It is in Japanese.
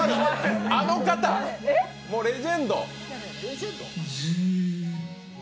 あの方、レジェンド。